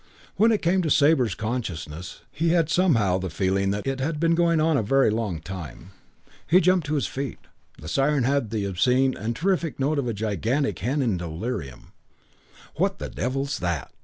When it came to Sabre's consciousness he had somehow the feeling that it had been going on a very long time. He jumped to his feet. The siren had the obscene and terrific note of a gigantic hen in delirium. "What the devil's that?"